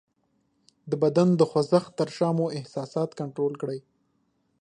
د بدن د خوځښت تر شا مو احساسات کنټرول کړئ :